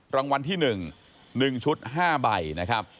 รางวัลที่๑๑ชุด๕ใบนะครับ